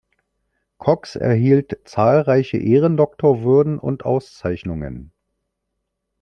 Cox erhielt zahlreiche Ehrendoktorwürden und Auszeichnungen.